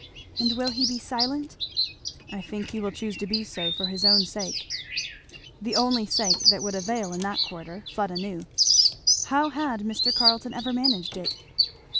"And will he be silent?" "I think he will choose to be so for his own sake." The only sake that would avail in that quarter, Fleda knew. How had Mr. Carleton ever managed it!